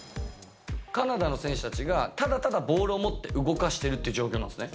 カナダの選手たちがただただボールを持って動かしてるっていう状況なんですね。